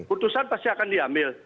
putusan pasti akan diambil